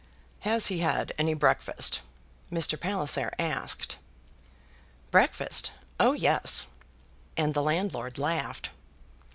"Has he had any breakfast?" Mr. Palliser asked. "Breakfast! Oh yes;" and the landlord laughed.